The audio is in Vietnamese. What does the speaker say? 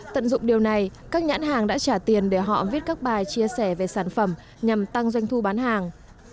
tận dụng điều này các nhãn hàng đã trả tiền để họ viết các bài chia sẻ về sản phẩm nhằm tăng doanh thu bán hàng